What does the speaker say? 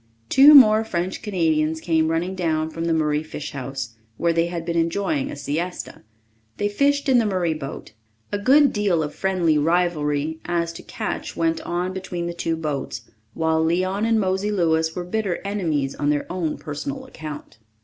Two more French Canadians came running down from the Murray fish house, where they had been enjoying a siesta. They fished in the Murray boat. A good deal of friendly rivalry as to catch went on between the two boats, while Leon and Mosey Louis were bitter enemies on their own personal account.